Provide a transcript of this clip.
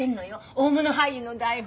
大物俳優の台本。